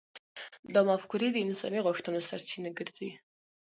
دا مفکورې د انساني غوښتنو سرچینه ګرځي.